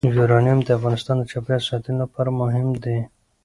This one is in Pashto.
یورانیم د افغانستان د چاپیریال ساتنې لپاره مهم دي.